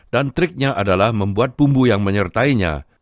dan triknya adalah membuat bumbu yang menyertainya